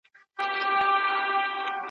نن سبا به نه یم زمانې راپسی مه ګوره `